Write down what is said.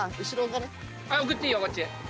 送っていいよこっち。